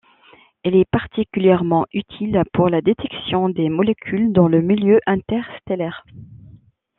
Elle est particulièrement utile pour la détection des molécules dans le milieu interstellaire.